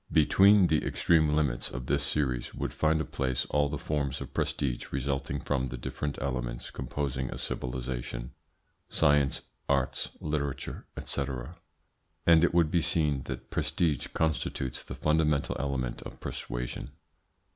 Between the extreme limits of this series would find a place all the forms of prestige resulting from the different elements composing a civilisation sciences, arts, literature, &c. and it would be seen that prestige constitutes the fundamental element of persuasion.